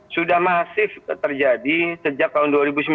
sudah masif terjadi sejak tahun dua ribu sembilan belas